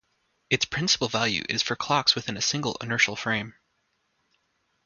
Its principal value is for clocks within a single inertial frame.